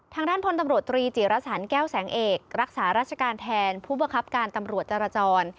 ทางด้านพลตำรวจตรีจิรสันแก้วแสงเอกรักษาราชการแทนผู้บังคับการตำรวจจรจร